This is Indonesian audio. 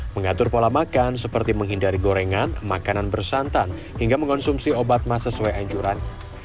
mengatur pola makan seperti menghindari gorengan makanan bersantan hingga mengonsumsi obat mah sesuai anjuran